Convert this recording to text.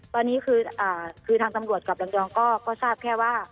ตอนนี้คือทางตำรวจกับลำยองก็ทราบแค่ว่า